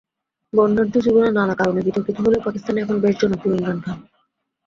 বর্ণাঢ্য জীবনে নানা কারণে বিতর্কিত হলেও পাকিস্তানে এখন বেশ জনপ্রিয় ইমরান খান।